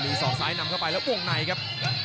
มี๒สายนำเข้าไปแล้ววงไหนครับ